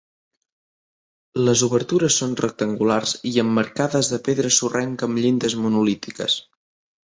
Les obertures són rectangulars i emmarcades de pedra sorrenca amb llindes monolítiques.